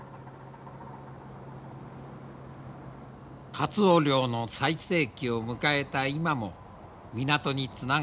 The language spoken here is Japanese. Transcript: カツオ漁の最盛期を迎えた今も港につながれたままのカツオ漁船。